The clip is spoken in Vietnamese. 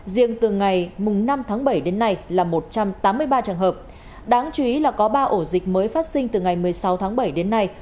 riêng từ ngày năm tháng bảy đến nay là một trăm tám mươi ba trường hợp đáng chú ý là có ba ổ dịch mới phát sinh từ ngày một mươi sáu tháng bảy đến nay